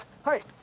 はい。